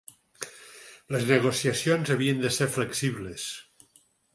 Les negociacions havien de ser flexibles.